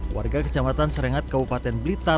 warga kecamatan serengat kabupaten blitar